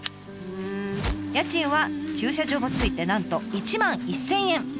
家賃は駐車場も付いてなんと１万１，０００円！